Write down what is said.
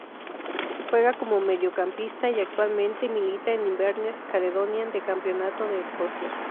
Juega como Mediocampista y actualmente milita en Inverness Caledonian de Campeonato de Escocia.